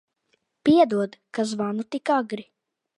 Piedod, ka zvanu tik agri.